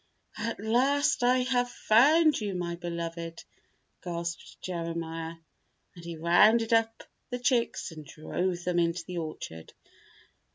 "At last I have found you, my beloved," gasped Jeremiah, and he rounded up the chicks and drove them into the orchard.